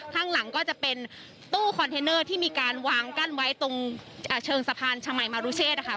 ข้างหลังก็จะเป็นตู้คอนเทนเนอร์ที่มีการวางกั้นไว้ตรงเชิงสะพานชมัยมารุเชษนะคะ